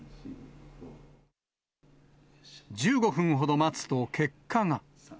１５分ほど待つと結果が。